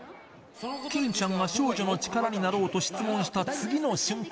欽ちゃんが少女の力になろうと質問した次の瞬間。